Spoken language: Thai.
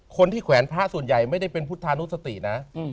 แขวนพระส่วนใหญ่ไม่ได้เป็นพุทธานุสตินะ